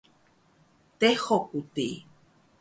dehuk ku di